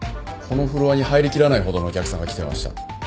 このフロアに入りきらないほどのお客さんが来てました。